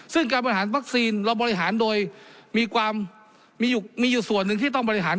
ซึ่งการบริหารวัคซีนเราบริหารโดยมีความมีอยู่ส่วนหนึ่งที่ต้องบริหาร